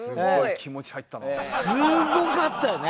すごかったよね！